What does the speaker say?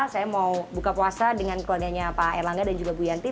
saya mau buka puasa dengan keluarganya pak erlangga dan juga bu yanti